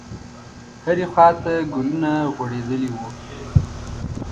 هرې خواته ګلونه غوړېدلي وو.